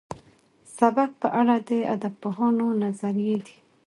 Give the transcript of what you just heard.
سبک په اړه د ادبپوهانو نظريې دي.